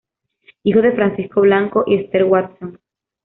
Hijo de Francisco Blanco y Ester Watson.